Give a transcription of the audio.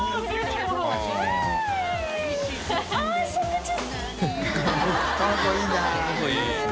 この子いいですね。